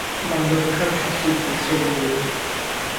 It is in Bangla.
নন্দ ভীষণ শাস্তি দিতেছে বিন্দুকে?